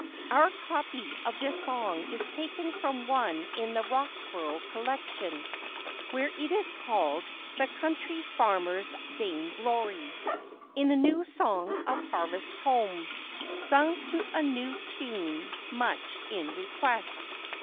[OUR copy of this song is taken from one in the Roxburgh Collection, where it is called, The Country Farmer's vain glory; in a new song of Harvest Home, sung to a new tune much in request.